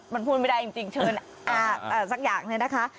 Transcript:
มันพูดไม่ได้จริงเชิญสักอย่างเนี่ยนะคะ